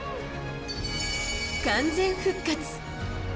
完全復活。